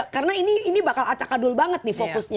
karena ini bakal acakadul banget nih fokusnya